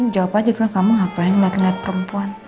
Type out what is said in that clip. jawab aja dulu kamu ngapain liat liat perempuan